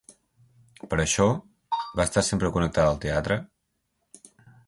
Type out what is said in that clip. Per això, va estar sempre connectada al teatre?